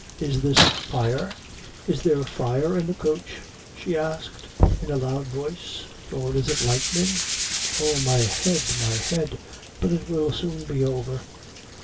Is this fire? Is there fire in the coach?" she asked, in a loud voice; "or is it lighthnin'? Oh, my head, my head; but it will soon be over."